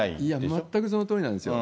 全くそのとおりなんですよ。